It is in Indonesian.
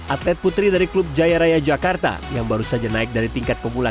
atlet putri dari klub jaya raya jakarta yang baru saja naik dari tingkat pemula